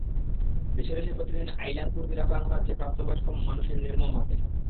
দেশে দেশে প্রতিদিন আইলান কুর্দিরা প্রাণ হারাচ্ছে প্রাপ্তবয়স্ক মানুষের নির্মম হাতে।